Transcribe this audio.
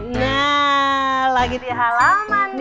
nah lagi di halaman nih